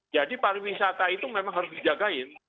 jadi pariwisata itu memang harus dijagain